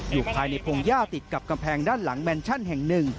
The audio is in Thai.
อยู่ภายในพงหญ้าติดกับกำแพงด้านหลังแมนชั่นแห่งหนึ่ง